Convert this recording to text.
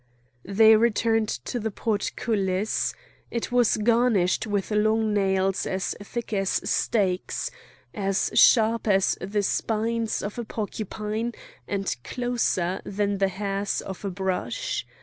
They returned to the portcullis; it was garnished with long nails as thick as stakes, as sharp as the spines of a porcupine, and closer than the hairs of a brush.